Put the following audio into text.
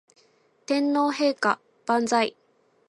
天皇陛下万歳